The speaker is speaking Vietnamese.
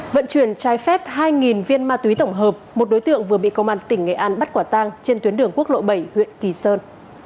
vận chuyển trái phép hai viên ma túy tổng hợp một đối tượng vừa bị công an tỉnh nghệ an bắt quả tang trên tuyến đường quốc lộ bảy huyện kỳ sơn